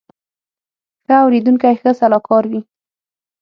ښه اورېدونکی ښه سلاکار وي